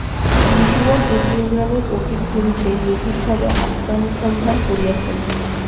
ঋষিগণ ইন্দ্রিয়-জ্ঞানের অতীত ভূমিতে নির্ভীকভাবে আত্মানুসন্ধান করিয়াছেন।